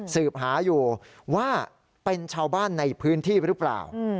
สืบหาอยู่ว่าเป็นชาวบ้านในพื้นที่หรือเปล่า